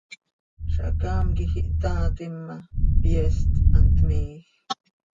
Zacaam quij ihtaatim ma, pyeest hant miij.